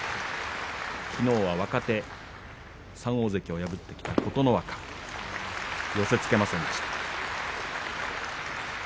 きのうは若手３大関を破ってきた琴ノ若寄せつけませんでした。